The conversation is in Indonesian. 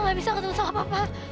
lia gak bisa ketemu sama papa